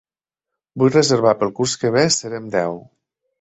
Vull reservar pel curs que ve. Serem deu.